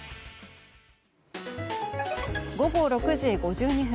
午後６時５２分。